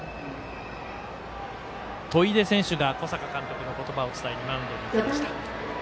砥出選手が小坂監督の言葉を伝えにマウンドに行きました。